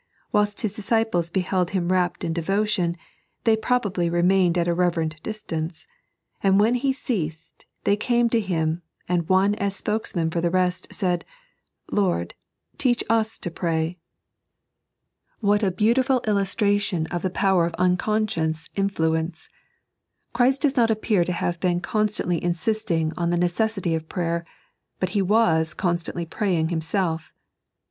Whilst His disciples beheld Him rapt in devotion, they probably remained at a reverent distance ; but when He ceased, they came to Him, and one, as spokesman for the rest, said :" Lord, teach us to pray." What a beautiful illustration of the power of unconscious 3.n.iized by Google 112 The Disciples' Prater. ioflaence ! Chmt does not appear to have been const&ntlj' insisting on the necessity of prayer, but He was constantly praying Himeelf.